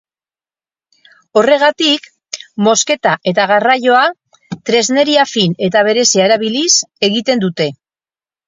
Horregatik, mozketa eta garraioa tresneria fin eta berezia erabiliz egiten dute.